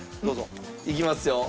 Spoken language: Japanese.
いきますよ。